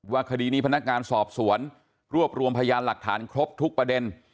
คดีนี้พนักงานสอบสวนรวบรวมพยานหลักฐานครบทุกประเด็น